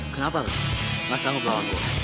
kenapa gak masang ke bawah gua